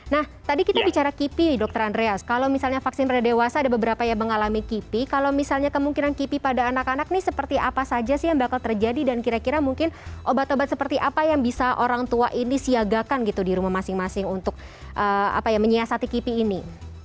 nah tadi kita bicara kipi dokter andreas kalau misalnya vaksin pada dewasa ada beberapa yang mengalami kipi kalau misalnya kemungkinan kipi pada anak anak ini seperti apa saja sih yang bakal terjadi dan kira kira mungkin obat obat seperti apa yang bisa orang tua ini siagakan gitu di rumah masing masing untuk menyiasati kipi ini